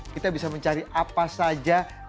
kita bisa mencari apa saja di jendela google